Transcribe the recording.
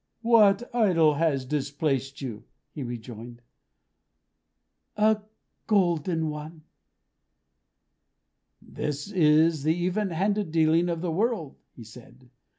"What idol has displaced you?" he rejoined. "A golden one." "This is the even handed dealing of the world!" he said.